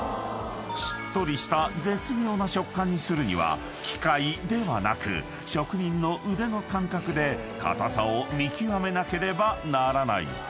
［しっとりした絶妙な食感にするには機械ではなく職人の腕の感覚で硬さを見極めなければならない］